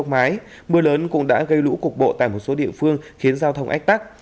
mưa lớn cũng đã gây lũ cục bộ tại một số địa phương khiến giao thông ách tắc